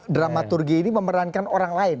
dramaturgi ini memerankan orang lain